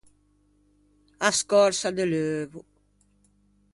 A scòrsa de l’euvo.